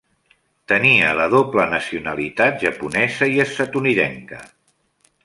Tenia la doble nacionalitat japonesa i estatunidenca.